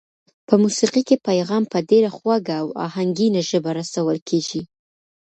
په موسېقۍ کې پیغام په ډېره خوږه او آهنګینه ژبه رسول کېږي.